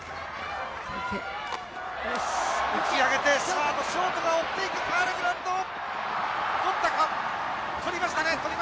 打ち上げてサード、ショートが追っていくファウルグラウンド。とりました。